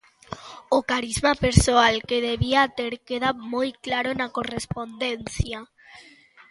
O carisma persoal que debía ter queda moi claro na correspondencia.